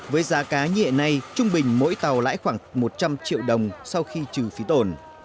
với giá cá như hiện nay trung bình mỗi tàu lãi khoảng một trăm linh triệu đồng sau khi trừ phí tổn